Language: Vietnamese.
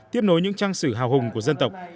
tiếp nối những trang sử hào hùng của dân tộc